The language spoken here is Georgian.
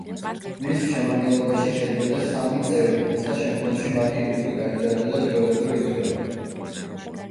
მის შემადგენლობაში შედიოდა სამი წევრი, თუმცა შემდგომში მათი რიცხვი გაიზარდა და დროდადრო იცვლება.